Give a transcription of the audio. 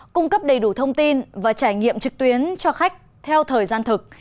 cung cấp đầy đủ thông tin và trải nghiệm trực tuyến cho khách theo thời gian thực